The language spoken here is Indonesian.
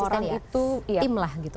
orang itu tim lah gitu